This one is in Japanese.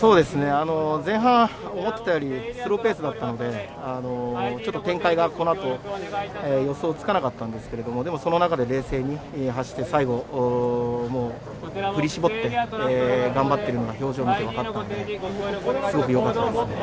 前半、思っていたよりスローペースだったので、ちょっと展開がこの後、予想つかなかったんですけれど、その中で冷静に走って、最後、振り絞って頑張っているのは表情を見てわかったので、すごくよかったですね。